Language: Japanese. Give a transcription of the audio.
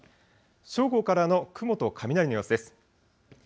正午からの雲と雷の様子です。